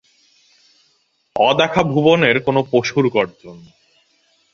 অদেখা ভুবনের কোনো পশুর গর্জন।